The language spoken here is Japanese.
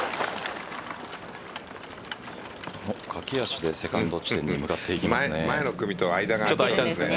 駆け足でセカンド地点に向かっていきますね。